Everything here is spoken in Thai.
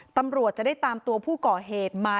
ตำรวจจะได้ตามตัวผู้ก่อเหตุมา